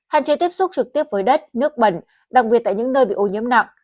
hạn chế tiếp xúc trực tiếp với đất nước bẩn đặc biệt tại những nơi bị ô nhiễm nặng